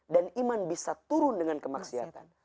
dan iman bisa turun dengan kemaksiatan